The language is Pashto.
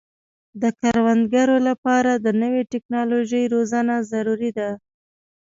د کروندګرو لپاره د نوې ټکنالوژۍ روزنه ضروري ده.